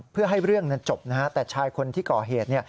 เพื่อให้เรื่องจะจบแต่ชายคนที่ก่อเหตุ